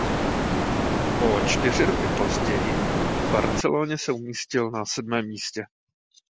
O čtyři roky později v Barceloně se umístil na sedmém místě.